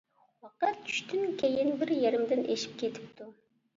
ۋاقىت چۈشتىن كېيىن بىر يېرىمدىن ئېشىپ كېتىپتۇ.